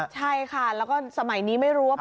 ใช่ค่ะแล้วก็สมัยนี้ไม่รู้ว่า